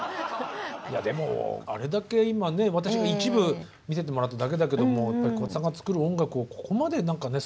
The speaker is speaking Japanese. でもあれだけ今ね私も一部見せてもらっただけだけども桑田さんが作る音楽をここまで何かね